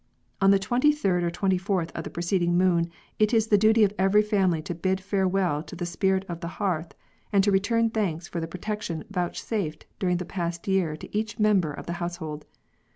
On the 23d or 24th of the preceding moon it is the duty of every family to bid farewell to the Spirit of the Hearth, and to return thanks for the protection vouchsafed during the past year to each member of the household.